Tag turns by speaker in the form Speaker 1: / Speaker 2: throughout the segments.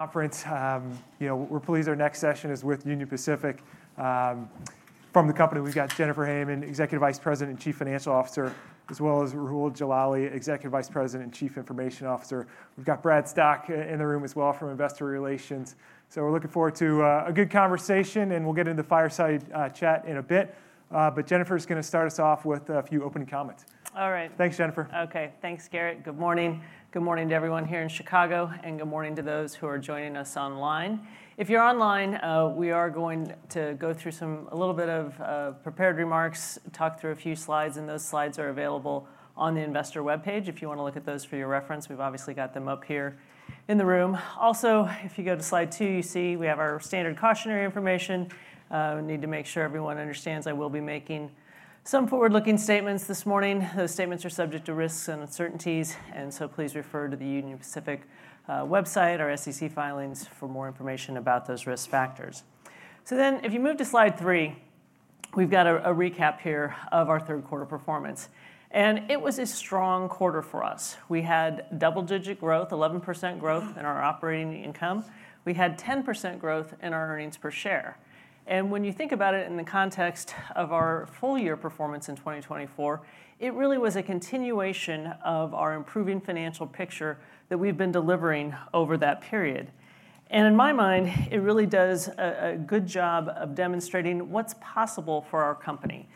Speaker 1: Conference. We're pleased our next session is with Union Pacific. From the company, we've got Jennifer Hamann, Executive Vice President and Chief Financial Officer, as well as Rahul Jalali, Executive Vice President and Chief Information Officer. We've got Brad Stock in the room as well from Investor Relations. So we're looking forward to a good conversation, and we'll get into the fireside chat in a bit. But Jennifer's going to start us off with a few opening comments.
Speaker 2: All right.
Speaker 1: Thanks, Jennifer.
Speaker 2: OK, thanks, Garrett. Good morning. Good morning to everyone here in Chicago, and good morning to those who are joining us online. If you're online, we are going to go through a little bit of prepared remarks, talk through a few slides, and those slides are available on the Investor web page if you want to look at those for your reference. We've obviously got them up here in the room. Also, if you go to slide two, you see we have our standard cautionary information. I need to make sure everyone understands I will be making some forward-looking statements this morning. Those statements are subject to risks and uncertainties, and so please refer to the Union Pacific website or SEC filings for more information about those risk factors. So then, if you move to slide three, we've got a recap here of our third quarter performance. It was a strong quarter for us. We had double-digit growth, 11% growth in our operating income. We had 10% growth in our earnings per share. When you think about it in the context of our full-year performance in 2024, it really was a continuation of our improving financial picture that we've been delivering over that period. In my mind, it really does a good job of demonstrating what's possible for our company.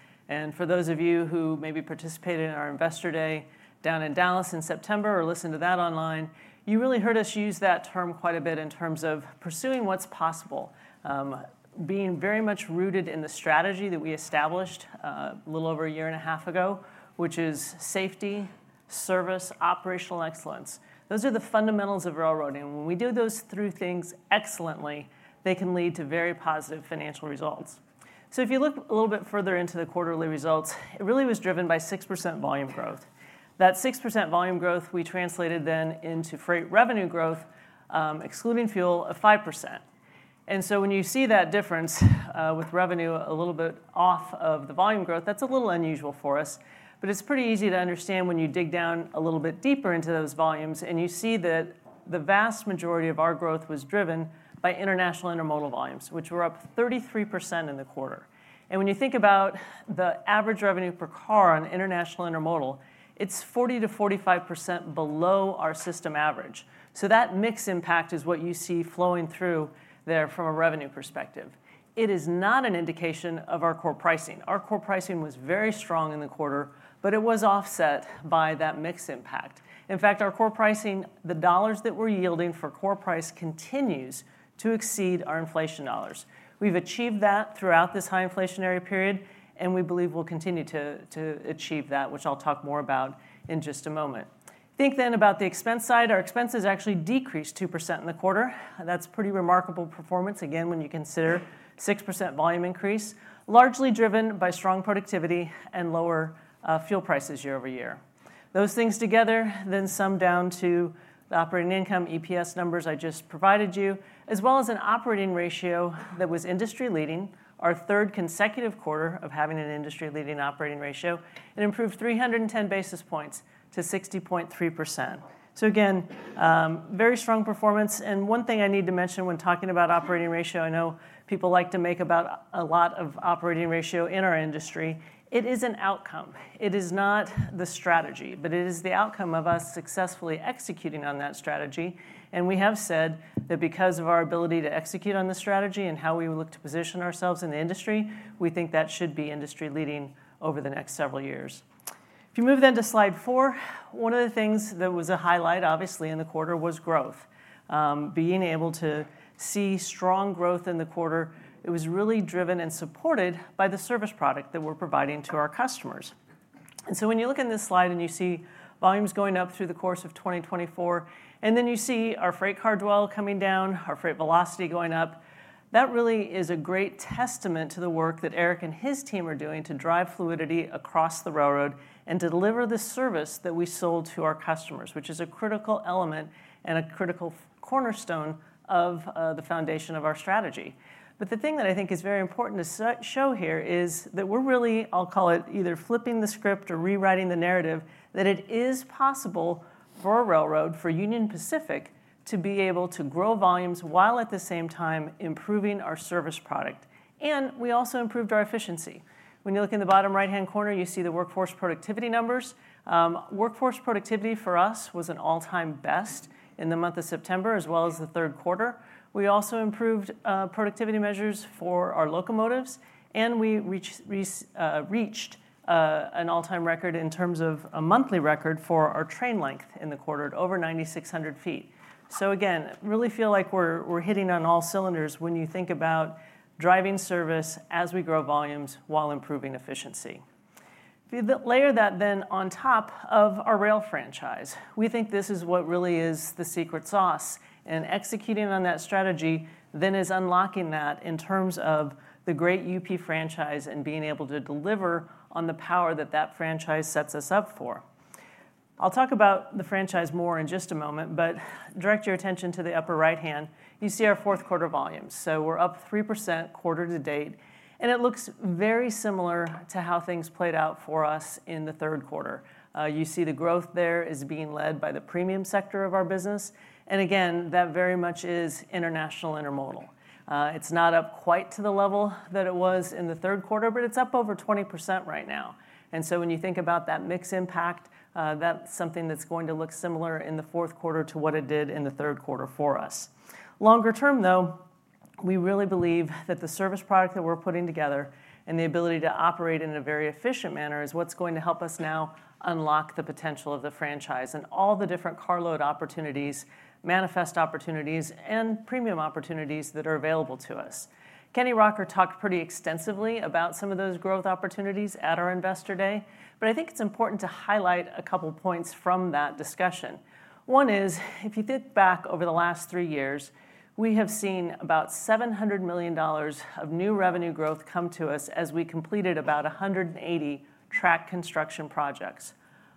Speaker 2: For those of you who maybe participated in our Investor Day down in Dallas in September or listened to that online, you really heard us use that term quite a bit in terms of pursuing what's possible, being very much rooted in the strategy that we established a little over a year and a half ago, which is safety, service, operational excellence. Those are the fundamentals of railroading. When we do those three things excellently, they can lead to very positive financial results. So if you look a little bit further into the quarterly results, it really was driven by 6% volume growth. That 6% volume growth we translated then into freight revenue growth, excluding fuel, of 5%. And so when you see that difference with revenue a little bit off of the volume growth, that's a little unusual for us. But it's pretty easy to understand when you dig down a little bit deeper into those volumes, and you see that the vast majority of our growth was driven by international intermodal volumes, which were up 33% in the quarter. And when you think about the average revenue per car on international intermodal, it's 40%-45% below our system average. So that mix impact is what you see flowing through there from a revenue perspective. It is not an indication of our core pricing. Our core pricing was very strong in the quarter, but it was offset by that mix impact. In fact, our core pricing, the dollars that we're yielding for core price continues to exceed our inflation dollars. We've achieved that throughout this high inflationary period, and we believe we'll continue to achieve that, which I'll talk more about in just a moment. Think then about the expense side. Our expenses actually decreased 2% in the quarter. That's pretty remarkable performance, again, when you consider 6% volume increase, largely driven by strong productivity and lower fuel prices year over year. Those things together then sum down to the operating income EPS numbers I just provided you, as well as an operating ratio that was industry-leading, our third consecutive quarter of having an industry-leading operating ratio, and improved 310 basis points to 60.3%. So again, very strong performance. And one thing I need to mention when talking about operating ratio, I know people like to make a lot about operating ratio in our industry. It is an outcome. It is not the strategy, but it is the outcome of us successfully executing on that strategy. And we have said that because of our ability to execute on the strategy and how we look to position ourselves in the industry, we think that should be industry-leading over the next several years. If you move then to slide four, one of the things that was a highlight, obviously, in the quarter was growth. Being able to see strong growth in the quarter, it was really driven and supported by the service product that we're providing to our customers. And so when you look at this slide and you see volumes going up through the course of 2024, and then you see our freight car dwell coming down, our freight velocity going up, that really is a great testament to the work that Eric and his team are doing to drive fluidity across the railroad and deliver the service that we sold to our customers, which is a critical element and a critical cornerstone of the foundation of our strategy. But the thing that I think is very important to show here is that we're really, I'll call it either flipping the script or rewriting the narrative, that it is possible for a railroad, for Union Pacific, to be able to grow volumes while at the same time improving our service product. And we also improved our efficiency. When you look in the bottom right-hand corner, you see the workforce productivity numbers. Workforce productivity for us was an all-time best in the month of September, as well as the third quarter. We also improved productivity measures for our locomotives, and we reached an all-time record in terms of a monthly record for our train length in the quarter at over 9,600 feet, so again, really feel like we're hitting on all cylinders when you think about driving service as we grow volumes while improving efficiency. If you layer that then on top of our rail franchise, we think this is what really is the secret sauce, and executing on that strategy then is unlocking that in terms of the great UP franchise and being able to deliver on the power that that franchise sets us up for. I'll talk about the franchise more in just a moment, but direct your attention to the upper right-hand. You see our fourth quarter volumes. So we're up 3% quarter to date, and it looks very similar to how things played out for us in the third quarter. You see the growth there is being led by the premium sector of our business. And again, that very much is international intermodal. It's not up quite to the level that it was in the third quarter, but it's up over 20% right now. And so when you think about that mixed impact, that's something that's going to look similar in the fourth quarter to what it did in the third quarter for us. Longer term, though, we really believe that the service product that we're putting together and the ability to operate in a very efficient manner is what's going to help us now unlock the potential of the franchise and all the different carload opportunities, manifest opportunities, and premium opportunities that are available to us. Kenny Rocker talked pretty extensively about some of those growth opportunities at our Investor Day, but I think it's important to highlight a couple points from that discussion. One is, if you think back over the last three years, we have seen about $700 million of new revenue growth come to us as we completed about 180 track construction projects.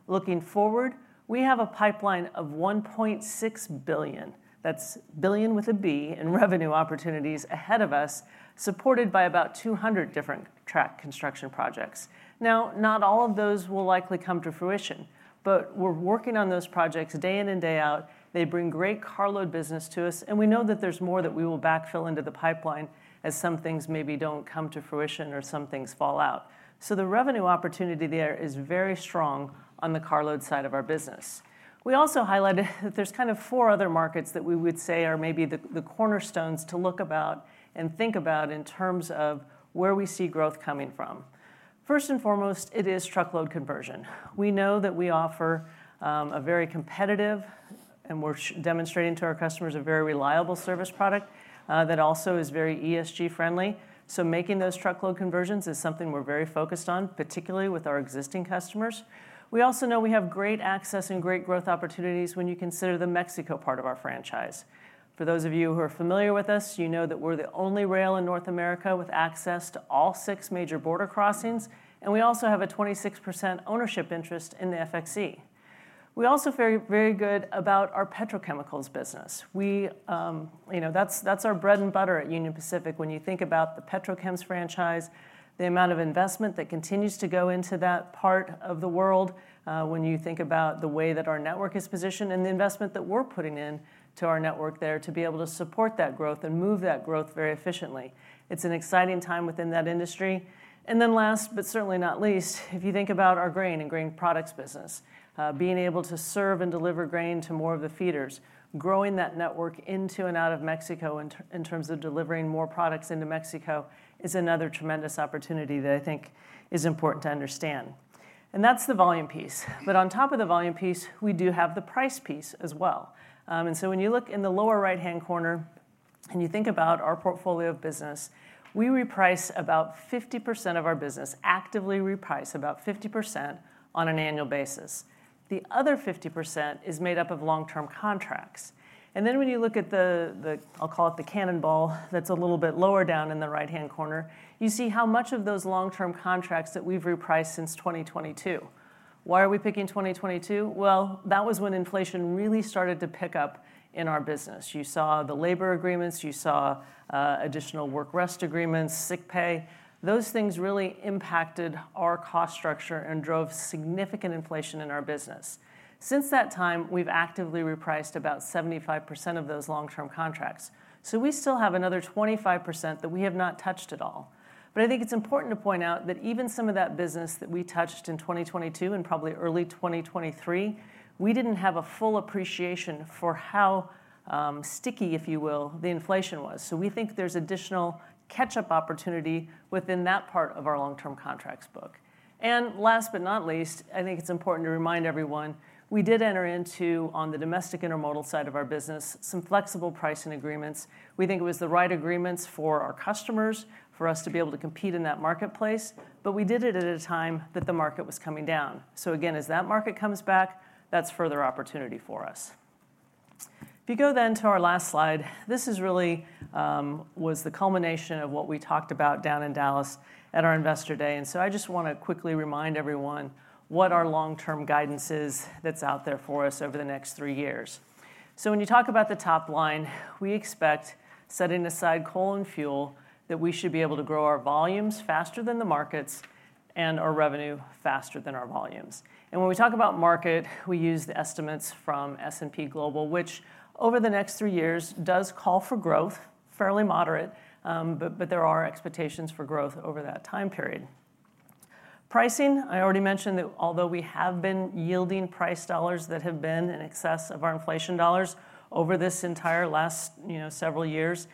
Speaker 2: Looking forward, we have a pipeline of $1.6 billion. That's billion with a B in revenue opportunities ahead of us, supported by about 200 different track construction projects. Now, not all of those will likely come to fruition, but we're working on those projects day in and day out. They bring great carload business to us, and we know that there's more that we will backfill into the pipeline as some things maybe don't come to fruition or some things fall out. So the revenue opportunity there is very strong on the carload side of our business. We also highlighted that there's kind of four other markets that we would say are maybe the cornerstones to look about and think about in terms of where we see growth coming from. First and foremost, it is truckload conversion. We know that we offer a very competitive, and we're demonstrating to our customers a very reliable service product that also is very ESG-friendly. So making those truckload conversions is something we're very focused on, particularly with our existing customers. We also know we have great access and great growth opportunities when you consider the Mexico part of our franchise. For those of you who are familiar with us, you know that we're the only rail in North America with access to all six major border crossings, and we also have a 26% ownership interest in the FXE. We're also very good about our petrochemicals business. That's our bread and butter at Union Pacific. When you think about the petrochems franchise, the amount of investment that continues to go into that part of the world, when you think about the way that our network is positioned, and the investment that we're putting into our network there to be able to support that growth and move that growth very efficiently. It's an exciting time within that industry. And then last, but certainly not least, if you think about our grain and grain products business, being able to serve and deliver grain to more of the feeders, growing that network into and out of Mexico in terms of delivering more products into Mexico is another tremendous opportunity that I think is important to understand. And that's the volume piece. But on top of the volume piece, we do have the price piece as well. And so when you look in the lower right-hand corner and you think about our portfolio of business, we reprice about 50% of our business, actively reprice about 50% on an annual basis. The other 50% is made up of long-term contracts. And then when you look at the, I'll call it the cannonball, that's a little bit lower down in the right-hand corner, you see how much of those long-term contracts that we've repriced since 2022. Why are we picking 2022? Well, that was when inflation really started to pick up in our business. You saw the labor agreements. You saw additional work rest agreements, sick pay. Those things really impacted our cost structure and drove significant inflation in our business. Since that time, we've actively repriced about 75% of those long-term contracts. So we still have another 25% that we have not touched at all. But I think it's important to point out that even some of that business that we touched in 2022 and probably early 2023, we didn't have a full appreciation for how sticky, if you will, the inflation was. So we think there's additional catch-up opportunity within that part of our long-term contracts book. And last but not least, I think it's important to remind everyone, we did enter into on the domestic intermodal side of our business some flexible pricing agreements. We think it was the right agreements for our customers, for us to be able to compete in that marketplace, but we did it at a time that the market was coming down. So again, as that market comes back, that's further opportunity for us. If you go then to our last slide, this really was the culmination of what we talked about down in Dallas at our Investor Day. And so I just want to quickly remind everyone what our long-term guidance is that's out there for us over the next three years. So when you talk about the top line, we expect, setting aside coal and fuel, that we should be able to grow our volumes faster than the markets and our revenue faster than our volumes. And when we talk about market, we use the estimates from S&P Global, which over the next three years does call for growth, fairly moderate, but there are expectations for growth over that time period. Pricing, I already mentioned that although we have been yielding price dollars that have been in excess of our inflation dollars over this entire last several years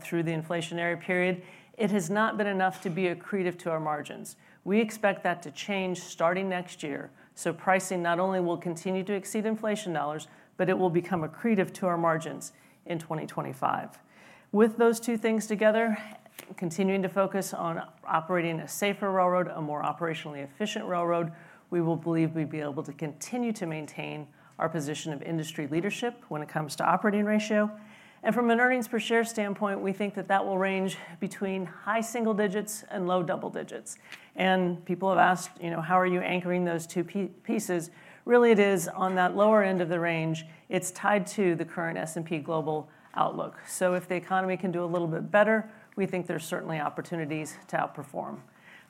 Speaker 2: through the inflationary period, it has not been enough to be accretive to our margins. We expect that to change starting next year. So pricing not only will continue to exceed inflation dollars, but it will become accretive to our margins in 2025. With those two things together, continuing to focus on operating a safer railroad, a more operationally efficient railroad, we will believe we'd be able to continue to maintain our position of industry leadership when it comes to operating ratio and from an earnings per share standpoint, we think that that will range between high single digits and low double digits and people have asked, how are you anchoring those two pieces? Really, it is on that lower end of the range. It's tied to the current S&P Global outlook. So if the economy can do a little bit better, we think there's certainly opportunities to outperform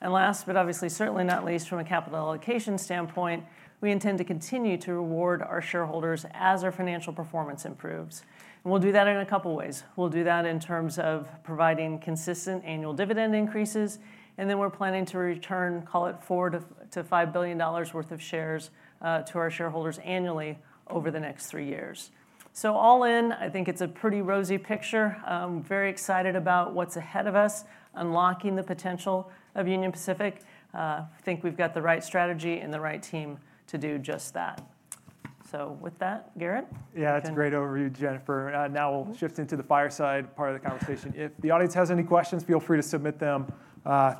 Speaker 2: and last, but obviously certainly not least, from a capital allocation standpoint, we intend to continue to reward our shareholders as our financial performance improves and we'll do that in a couple of ways. We'll do that in terms of providing consistent annual dividend increases, and then we're planning to return, call it $4-$5 billion worth of shares to our shareholders annually over the next three years. So all in, I think it's a pretty rosy picture. I'm very excited about what's ahead of us, unlocking the potential of Union Pacific. I think we've got the right strategy and the right team to do just that. So with that, Garrett.
Speaker 1: Yeah, it's a great overview, Jennifer. Now we'll shift into the fireside part of the conversation. If the audience has any questions, feel free to submit them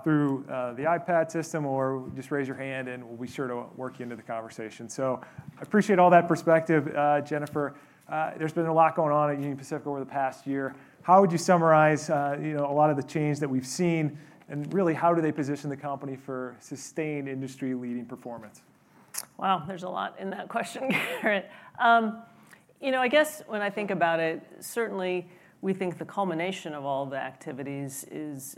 Speaker 1: through the iPad system or just raise your hand, and we'll be sure to work you into the conversation. So I appreciate all that perspective, Jennifer. There's been a lot going on at Union Pacific over the past year. How would you summarize a lot of the change that we've seen, and really, how do they position the company for sustained industry-leading performance?
Speaker 2: Wow, there's a lot in that question, Garrett. I guess when I think about it, certainly we think the culmination of all the activities is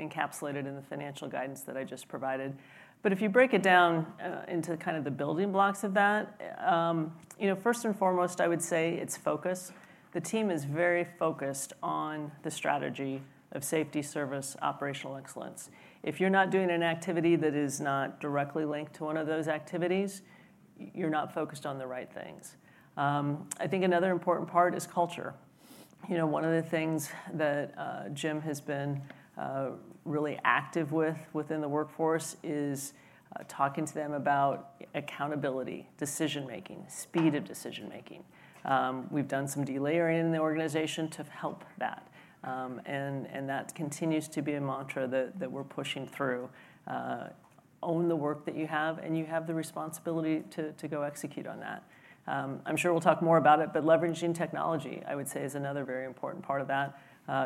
Speaker 2: encapsulated in the financial guidance that I just provided. But if you break it down into kind of the building blocks of that, first and foremost, I would say it's focus. The team is very focused on the strategy of safety, service, operational excellence. If you're not doing an activity that is not directly linked to one of those activities, you're not focused on the right things. I think another important part is culture. One of the things that Jim has been really active with within the workforce is talking to them about accountability, decision-making, speed of decision-making. We've done some delayering in the organization to help that, and that continues to be a mantra that we're pushing through. Own the work that you have, and you have the responsibility to go execute on that. I'm sure we'll talk more about it, but leveraging technology, I would say, is another very important part of that,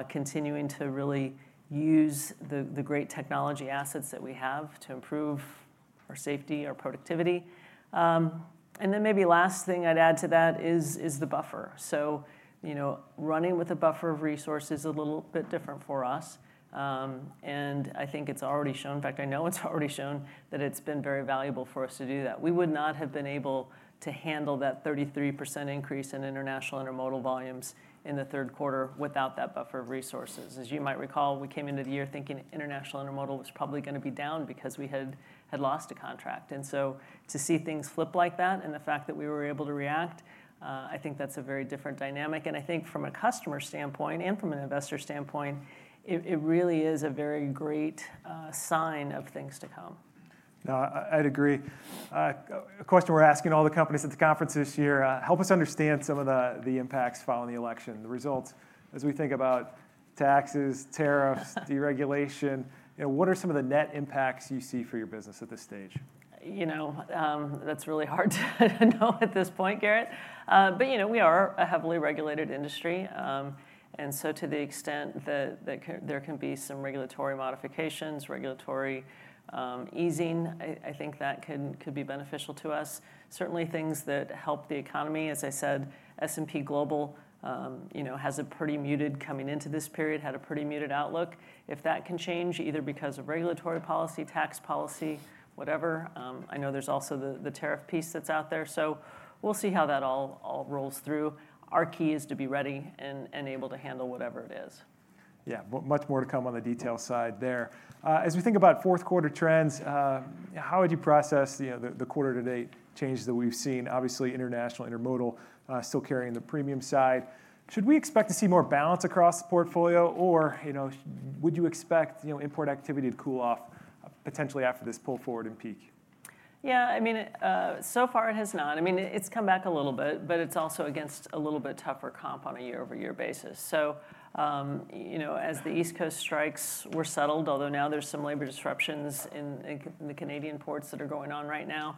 Speaker 2: continuing to really use the great technology assets that we have to improve our safety, our productivity, and then maybe last thing I'd add to that is the buffer, so running with a buffer of resources is a little bit different for us, and I think it's already shown, in fact, I know it's already shown that it's been very valuable for us to do that. We would not have been able to handle that 33% increase in international intermodal volumes in the third quarter without that buffer of resources. As you might recall, we came into the year thinking international intermodal was probably going to be down because we had lost a contract, and so to see things flip like that and the fact that we were able to react. I think that's a very different dynamic, and I think from a customer standpoint and from an investor standpoint, it really is a very great sign of things to come.
Speaker 1: Now, I'd agree. A question we're asking all the companies at the conference this year, help us understand some of the impacts following the election, the results. As we think about taxes, tariffs, deregulation, what are some of the net impacts you see for your business at this stage?
Speaker 2: That's really hard to know at this point, Garrett, but we are a heavily regulated industry. To the extent that there can be some regulatory modifications, regulatory easing, I think that could be beneficial to us. Certainly things that help the economy. As I said, S&P Global has a pretty muted coming into this period, had a pretty muted outlook. If that can change, either because of regulatory policy, tax policy, whatever, I know there's also the tariff piece that's out there. We'll see how that all rolls through. Our key is to be ready and able to handle whatever it is.
Speaker 1: Yeah, much more to come on the detail side there. As we think about fourth quarter trends, how would you process the quarter-to-date changes that we've seen? Obviously, International Intermodal still carrying the premium side. Should we expect to see more balance across the portfolio, or would you expect import activity to cool off potentially after this pull forward in peak?
Speaker 2: Yeah, I mean, so far it has not. I mean, it's come back a little bit, but it's also against a little bit tougher comp on a year-over-year basis. So as the East Coast strikes were settled, although now there's some labor disruptions in the Canadian ports that are going on right now,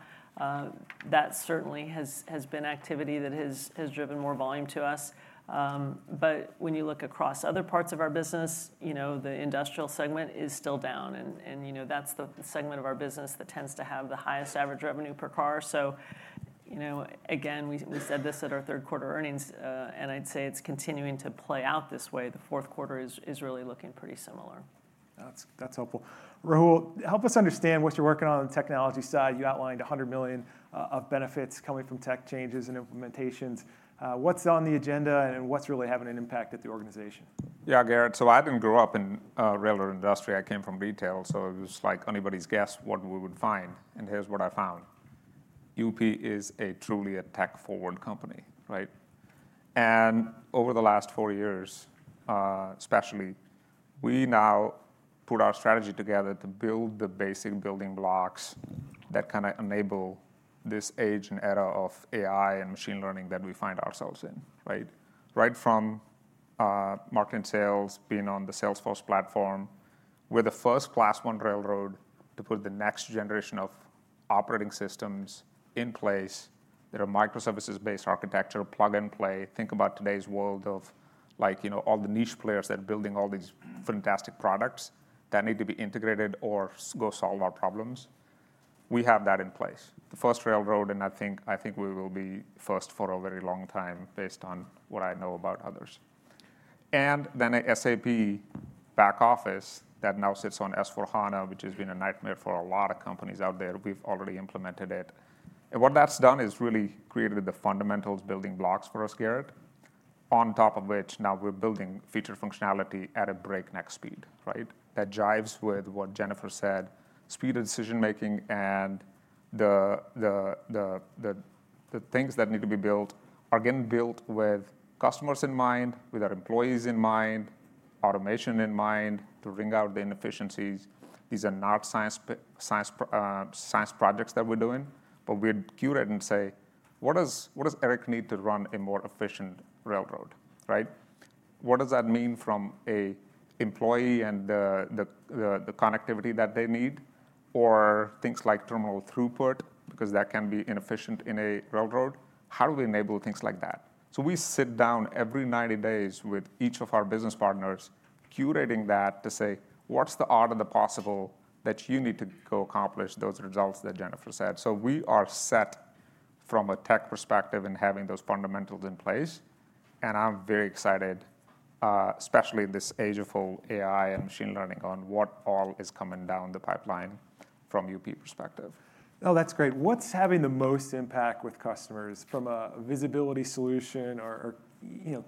Speaker 2: that certainly has been activity that has driven more volume to us. But when you look across other parts of our business, the industrial segment is still down. And that's the segment of our business that tends to have the highest average revenue per car. So again, we said this at our third quarter earnings, and I'd say it's continuing to play out this way. The fourth quarter is really looking pretty similar.
Speaker 1: That's helpful. Rahul, help us understand what you're working on the technology side. You outlined $100 million of benefits coming from tech changes and implementations. What's on the agenda and what's really having an impact at the organization?
Speaker 3: Yeah, Garrett. So I didn't grow up in the railroad industry. I came from retail. So it was like anybody's guess what we would find. And here's what I found. UP is truly a tech-forward company, right? And over the last four years, especially, we now put our strategy together to build the basic building blocks that kind of enable this age and era of AI and machine learning that we find ourselves in, right? Right from marketing sales, being on the Salesforce platform, we're the first Class I railroad to put the next generation of operating systems in place. There are microservices-based architecture, plug and play. Think about today's world of all the niche players that are building all these fantastic products that need to be integrated or go solve our problems. We have that in place. The first railroad, and I think we will be first for a very long time based on what I know about others, and then an SAP back office that now sits on S/4HANA, which has been a nightmare for a lot of companies out there. We've already implemented it. And what that's done is really created the fundamentals building blocks for us, Garrett, on top of which now we're building feature functionality at a breakneck speed, right? That jives with what Jennifer said. Speed of decision-making and the things that need to be built are getting built with customers in mind, with our employees in mind, automation in mind to ring out the inefficiencies. These are not science projects that we're doing, but we'd cue it and say, what does Eric need to run a more efficient railroad, right? What does that mean from an employee and the connectivity that they need or things like terminal throughput, because that can be inefficient in a railroad? How do we enable things like that? So we sit down every 90 days with each of our business partners, curating that to say, what's the art of the possible that you need to go accomplish those results that Jennifer said? So we are set from a tech perspective in having those fundamentals in place. And I'm very excited, especially in this age of full AI and machine learning, on what all is coming down the pipeline from UP perspective.
Speaker 1: No, that's great. What's having the most impact with customers from a visibility solution or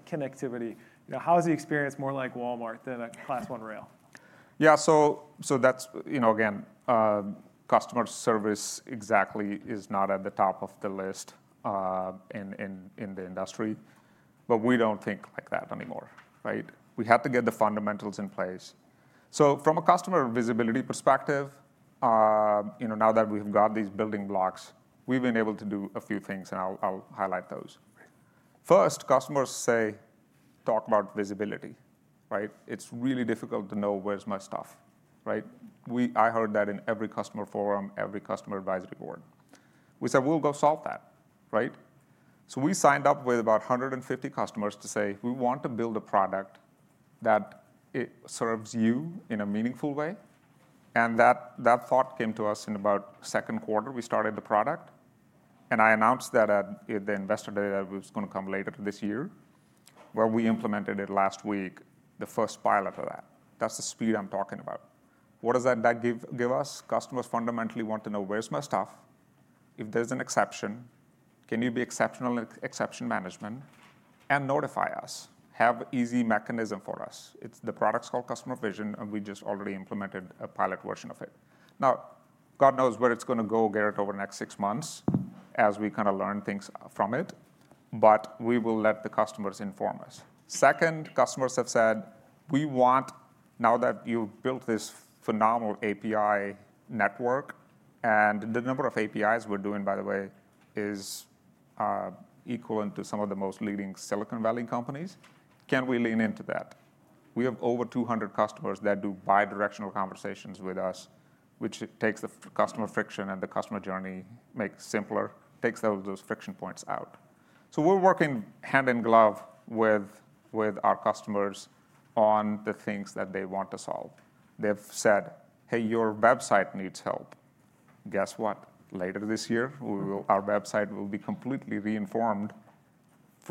Speaker 1: connectivity? How is the experience more like Walmart than a Class I rail?
Speaker 3: Yeah, so that's, again, customer service, exactly, is not at the top of the list in the industry, but we don't think like that anymore, right? We have to get the fundamentals in place, so from a customer visibility perspective, now that we've got these building blocks, we've been able to do a few things, and I'll highlight those. First, customers say, talk about visibility, right? It's really difficult to know where's my stuff, right? I heard that in every customer forum, every customer advisory board. We said, we'll go solve that, right, so we signed up with about 150 customers to say, we want to build a product that serves you in a meaningful way, and that thought came to us in about second quarter. We started the product. And I announced that at the investor day that was going to come later this year, where we implemented it last week, the first pilot of that. That's the speed I'm talking about. What does that give us? Customers fundamentally want to know where's my stuff. If there's an exception, can you be exceptional in exception management and notify us? Have an easy mechanism for us. The product's called Customer Vision, and we just already implemented a pilot version of it. Now, God knows where it's going to go, Garrett, over the next six months as we kind of learn things from it, but we will let the customers inform us. Second, customers have said, we want now that you've built this phenomenal API network, and the number of APIs we're doing, by the way, is equal to some of the most leading Silicon Valley companies. Can we lean into that? We have over 200 customers that do bidirectional conversations with us, which takes the customer friction and the customer journey simpler, takes those friction points out. So we're working hand in glove with our customers on the things that they want to solve. They've said, hey, your website needs help. Guess what? Later this year, our website will be completely reinvented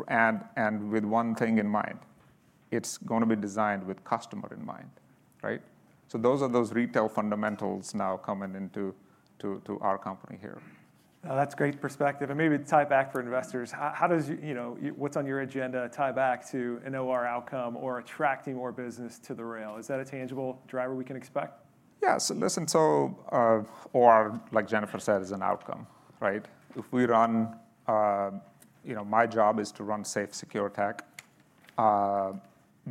Speaker 3: and with one thing in mind. It's going to be designed with the customer in mind, right? So those are the retail fundamentals now coming into our company here.
Speaker 1: That's great perspective. And maybe tie back for investors. What's on your agenda? Tie back to an OR outcome or attracting more business to the rail. Is that a tangible driver we can expect? Yeah, so listen, OR, like Jennifer said, is an outcome, right? If we run, my job is to run safe, secure tech,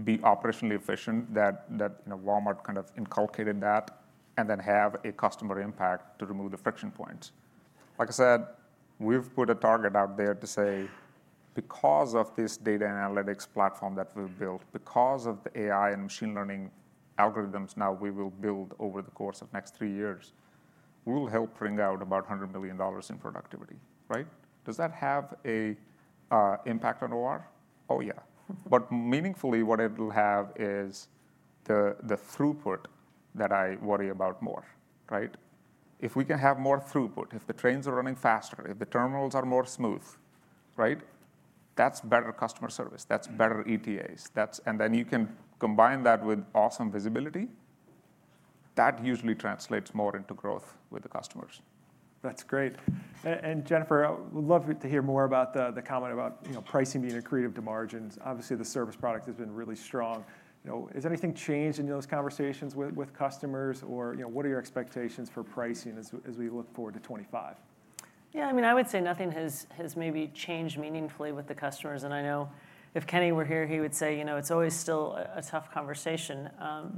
Speaker 1: be operationally efficient, that Walmart kind of inculcated that, and then have a customer impact to remove the friction points. Like I said, we've put a target out there to say, because of this data analytics platform that we've built, because of the AI and machine learning algorithms now we will build over the course of next three years, we'll help bring out about $100 million in productivity, right? Does that have an impact on OR? Oh, yeah, but meaningfully, what it'll have is the throughput that I worry about more, right? If we can have more throughput, if the trains are running faster, if the terminals are more smooth, right? That's better customer service. That's better ETAs, and then you can combine that with awesome visibility. That usually translates more into growth with the customers. That's great. And Jennifer, I would love to hear more about the comment about pricing being accretive to margins. Obviously, the service product has been really strong. Has anything changed in those conversations with customers, or what are your expectations for pricing as we look forward to 2025?
Speaker 2: Yeah, I mean, I would say nothing has maybe changed meaningfully with the customers. And I know if Kenny were here, he would say, it's always still a tough conversation.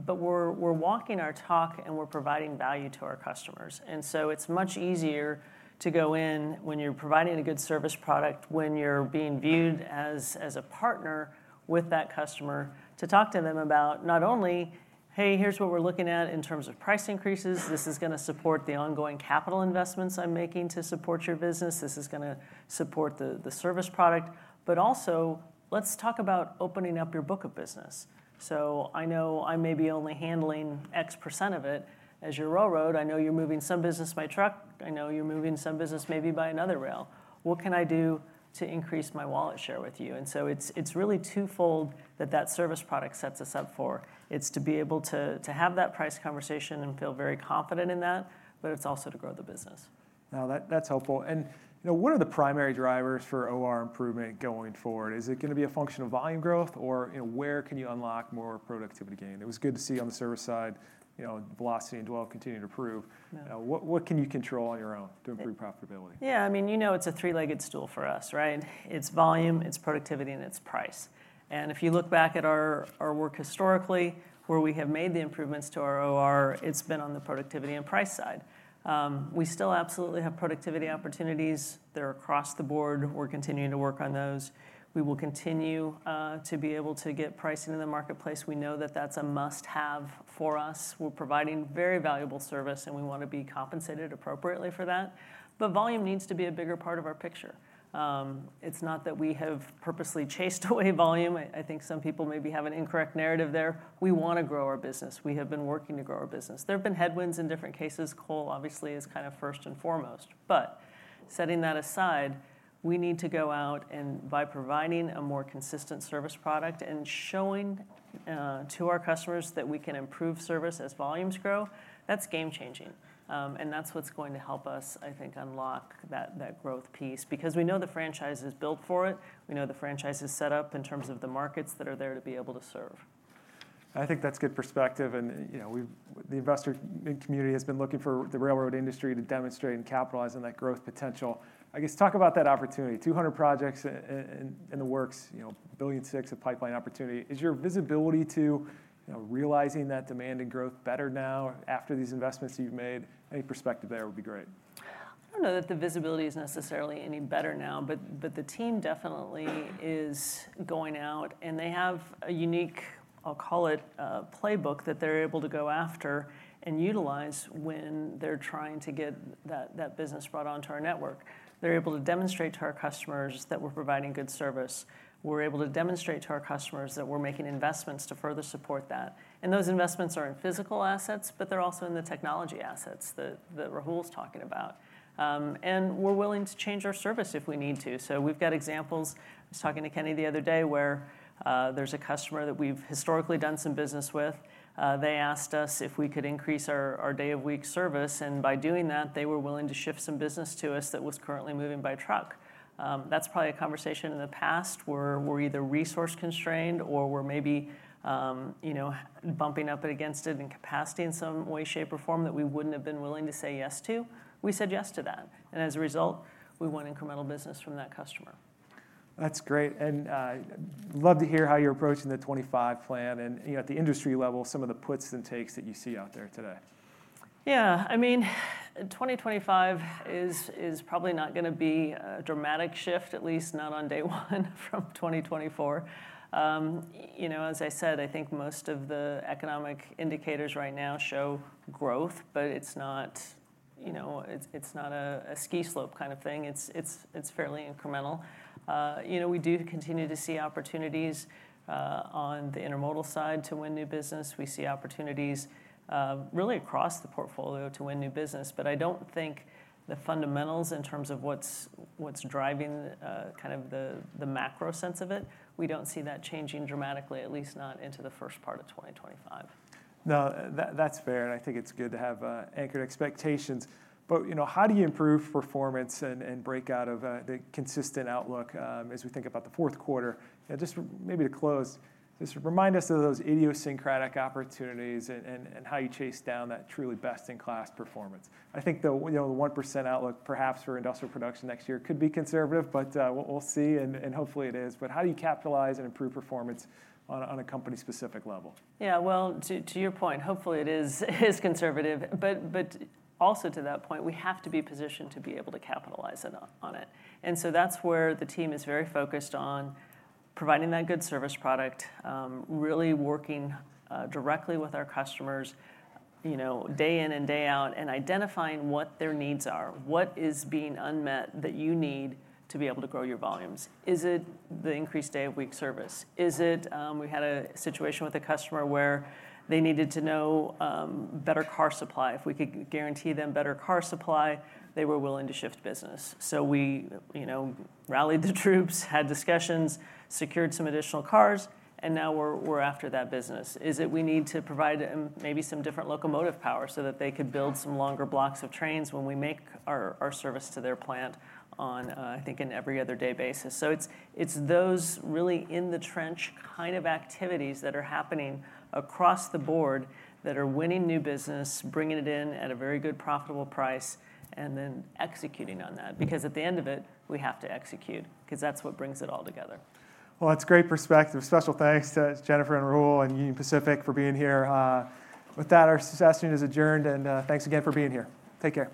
Speaker 2: But we're walking our talk, and we're providing value to our customers. And so it's much easier to go in when you're providing a good service product, when you're being viewed as a partner with that customer, to talk to them about not only, hey, here's what we're looking at in terms of price increases. This is going to support the ongoing capital investments I'm making to support your business. This is going to support the service product. But also, let's talk about opening up your book of business. So I know I may be only handling X% of it as your railroad. I know you're moving some business by truck. I know you're moving some business maybe by another rail. What can I do to increase my wallet share with you? And so it's really twofold that that service product sets us up for. It's to be able to have that price conversation and feel very confident in that, but it's also to grow the business.
Speaker 1: Now, that's helpful. And what are the primary drivers for OR improvement going forward? Is it going to be a function of volume growth, or where can you unlock more productivity gain? It was good to see on the service side, velocity and dwell continuing to improve. What can you control on your own to improve profitability?
Speaker 2: Yeah, I mean, you know it's a three-legged stool for us, right? It's volume, it's productivity, and it's price. And if you look back at our work historically, where we have made the improvements to our OR, it's been on the productivity and price side. We still absolutely have productivity opportunities. They're across the board. We're continuing to work on those. We will continue to be able to get pricing in the marketplace. We know that that's a must-have for us. We're providing very valuable service, and we want to be compensated appropriately for that. But volume needs to be a bigger part of our picture. It's not that we have purposely chased away volume. I think some people maybe have an incorrect narrative there. We want to grow our business. We have been working to grow our business. There have been headwinds in different cases. Coal, obviously, is kind of first and foremost. But setting that aside, we need to go out and, by providing a more consistent service product and showing to our customers that we can improve service as volumes grow, that's game-changing. And that's what's going to help us, I think, unlock that growth piece because we know the franchise is built for it. We know the franchise is set up in terms of the markets that are there to be able to serve.
Speaker 1: I think that's good perspective. And the investor community has been looking for the railroad industry to demonstrate and capitalize on that growth potential. I guess talk about that opportunity. 200 projects in the works, $1.6 billion of pipeline opportunity. Is your visibility to realizing that demand and growth better now after these investments you've made? Any perspective there would be great.
Speaker 2: I don't know that the visibility is necessarily any better now, but the team definitely is going out, and they have a unique, I'll call it, playbook that they're able to go after and utilize when they're trying to get that business brought onto our network. They're able to demonstrate to our customers that we're providing good service. We're able to demonstrate to our customers that we're making investments to further support that, and those investments are in physical assets, but they're also in the technology assets that Rahul's talking about, and we're willing to change our service if we need to, so we've got examples. I was talking to Kenny the other day where there's a customer that we've historically done some business with. They asked us if we could increase our day-of-week service. By doing that, they were willing to shift some business to us that was currently moving by truck. That's probably a conversation in the past where we're either resource-constrained or we're maybe bumping up against it in capacity in some way, shape, or form that we wouldn't have been willing to say yes to. We said yes to that. As a result, we won incremental business from that customer.
Speaker 1: That's great. I'd love to hear how you're approaching the 2025 plan and, at the industry level, some of the puts and takes that you see out there today.
Speaker 2: Yeah, I mean, 2025 is probably not going to be a dramatic shift, at least not on day one from 2024. As I said, I think most of the economic indicators right now show growth, but it's not a ski slope kind of thing. It's fairly incremental. We do continue to see opportunities on the intermodal side to win new business. We see opportunities really across the portfolio to win new business. But I don't think the fundamentals in terms of what's driving kind of the macro sense of it, we don't see that changing dramatically, at least not into the first part of 2025.
Speaker 1: No, that's fair. And I think it's good to have anchored expectations. But how do you improve performance and break out of the consistent outlook as we think about the fourth quarter? Just maybe to close, just remind us of those idiosyncratic opportunities and how you chase down that truly best-in-class performance. I think the 1% outlook perhaps for industrial production next year could be conservative, but we'll see, and hopefully it is. But how do you capitalize and improve performance on a company-specific level?
Speaker 2: Yeah, well, to your point, hopefully it is conservative, but also to that point, we have to be positioned to be able to capitalize on it, and so that's where the team is very focused on providing that good service product, really working directly with our customers day in and day out and identifying what their needs are, what is being unmet that you need to be able to grow your volumes. Is it the increased day-of-week service? We had a situation with a customer where they needed to know better car supply. If we could guarantee them better car supply, they were willing to shift business, so we rallied the troops, had discussions, secured some additional cars, and now we're after that business. Is it we need to provide maybe some different locomotive power so that they could build some longer blocks of trains when we make our service to their plant on, I think, an every-other-day basis? So it's those really in-the-trench kind of activities that are happening across the board that are winning new business, bringing it in at a very good profitable price, and then executing on that. Because at the end of it, we have to execute because that's what brings it all together.
Speaker 1: Well, that's great perspective. Special thanks to Jennifer and Rahul and Union Pacific for being here. With that, our success meeting is adjourned, and thanks again for being here. Take care.